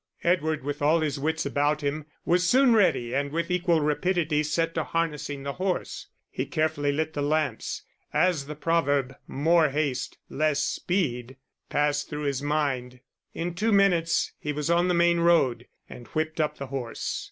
Edward, with all his wits about him, was soon ready and with equal rapidity set to harnessing the horse; he carefully lit the lamps, as the proverb, more haste, less speed, passed through his mind. In two minutes he was on the main road, and whipped up the horse.